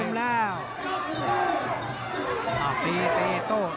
โหดแก้งขวาโหดแก้งขวา